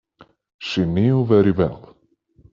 She knew very well.